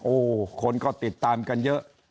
โอ้โหคนก็ติดตามกันเยอะ